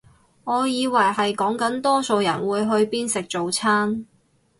我以為係講緊多數人會去邊食早餐